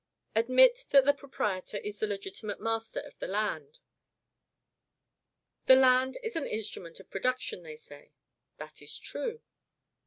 Admit that the proprietor is the legitimate master of the land. "The land is an instrument of production," they say. That is true.